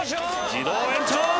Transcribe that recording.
自動延長！